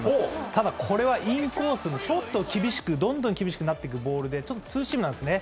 ただこれはインコースのちょっと厳しく、どんどん厳しくなってくボールで、ちょっとツーシームなんですね。